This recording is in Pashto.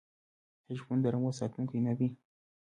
آیا شپون د رمو ساتونکی نه دی؟